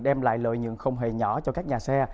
đem lại lợi nhuận không hề nhỏ cho các nhà xe